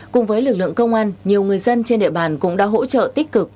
cùng với lực lượng công an nhiều người dân trên địa bàn cũng đã hỗ trợ tích cực